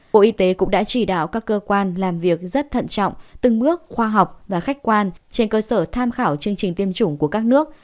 bộ y tế cũng đã chỉ đạo các cơ quan làm việc rất thận trọng từng bước khoa học và khách quan trên cơ sở tham khảo chương trình tiêm chủng của các nước